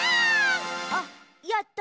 あっやった。